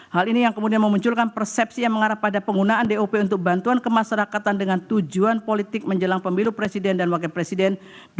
hal ini yang kemudian memunculkan persepsi yang mengarah pada penggunaan dop untuk bantuan kemasyarakatan dengan tujuan politik menjelang pemilu presiden dan wakil presiden dua ribu sembilan belas